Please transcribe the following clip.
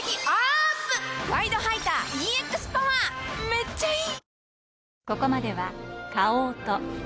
めっちゃいい！